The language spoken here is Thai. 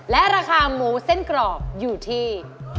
และราคาหมูเส้นกรอบอยู่ที่